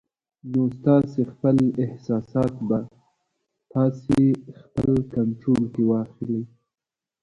نو ستاسې خپل احساسات به تاسې خپل کنټرول کې واخلي